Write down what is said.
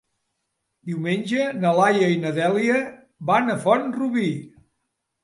Diumenge na Laia i na Dèlia van a Font-rubí.